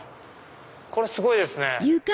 これすごいですね！